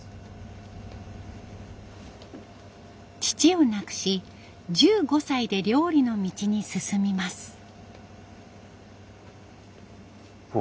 父を亡くし１５歳で料理の道に進みます。